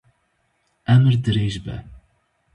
Emir dirêj be!